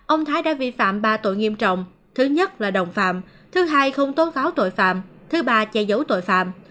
ông thái đã vi phạm ba tội nghiêm trọng thứ nhất là đồng phạm thứ hai không tố cáo tội phạm thứ ba che giấu tội phạm